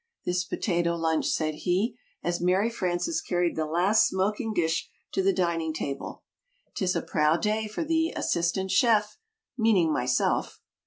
this Potato Lunch," said he, as Mary Frances carried the last smoking dish to the dining table. "'Tis a proud day for the 'Assistant Chef' meaning myself."